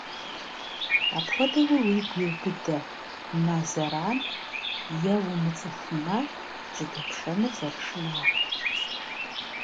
Апхуэдэуи уигу иубыдэ, мэ зэран е умыцӀыху мэ жьэдэпшэныр зэрышынагъуэр.